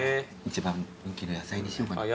一番人気の野菜にしようかな。